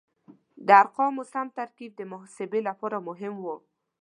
د ارقامو سم ترکیب د محاسبې لپاره مهم و.